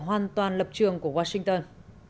hoàn toàn lập trường của washington